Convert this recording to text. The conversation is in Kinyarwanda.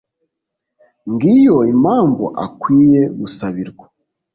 Ngiyo impamvu akwiye gusabirwa.